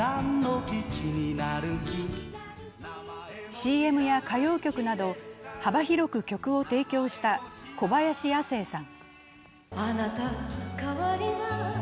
ＣＭや歌謡曲など、幅広く曲を提供した小林亜星さん。